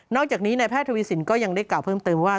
อกจากนี้นายแพทย์ทวีสินก็ยังได้กล่าวเพิ่มเติมว่า